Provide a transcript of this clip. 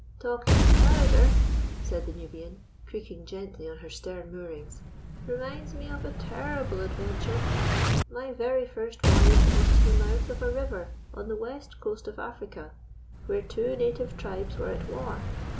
"Talking of powder," said the Nubian, creaking gently on her stern moorings, "reminds me of a terrible adventure. My very first voyage was to the mouth of a river on the West Coast of Africa, where two native tribes were at war.